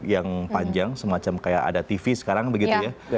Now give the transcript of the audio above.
yang panjang semacam kayak ada tv sekarang begitu ya